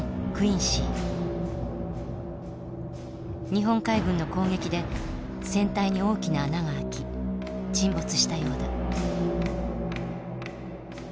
日本海軍の攻撃で船体に大きな穴が開き沈没したようだ。